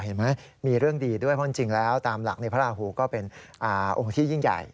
เห็นไหมมีเรื่องดีด้วยเพราะจริงแล้วตามหลักในพระราหูก็เป็นองค์ที่ยิ่งใหญ่